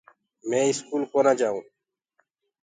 مي اسڪول ڪونآئونٚ جآئونٚ